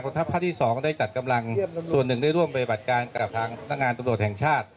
กรุงทรัพย์ภาคที่สองได้จัดกำลังส่วนหนึ่งได้ร่วมไปบัตรการกับทางนักงานกำลักษณ์แห่งชาติ